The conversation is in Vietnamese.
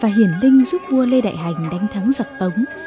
và hiển linh giúp vua lê đại hành đánh thắng giặc tống